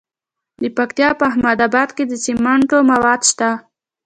د پکتیا په احمد اباد کې د سمنټو مواد شته.